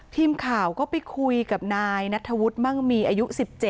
ทีมข่าวก็ไปคุยกับนายนัทธวุฒิมั่งมีอายุ๑๗